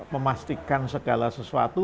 memastikan segala sesuatu